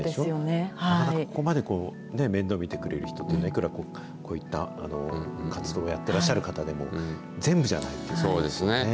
なかなか、ここまで面倒見てくれる人というのは、いくらこういった活動をやってらっしゃる方でも、全部じゃないですよね。